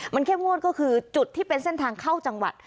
มันเข้มงวดก็คือจุดที่เป็นเส้นทางเข้าจังหวัด